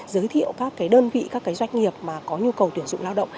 giới thiệu các đơn vị các doanh nghiệp có nhu cầu tuyển dụng lao động